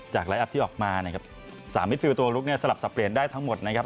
ไลฟ์อัพที่ออกมานะครับสามมิดฟิลตัวลุกเนี่ยสลับสับเปลี่ยนได้ทั้งหมดนะครับ